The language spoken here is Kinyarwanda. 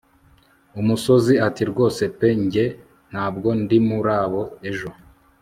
Umusozi atirwose pe jye ntabwo ndimurabo ejo